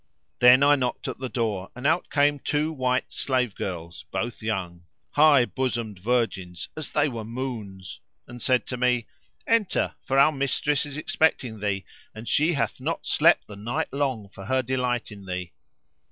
Then I knocked at the door and out came two white slave girls, both young; high bosomed virgins, as they were moons, and said to me, "Enter, for our mistress is expecting thee and she hath not slept the night long for her delight in thee."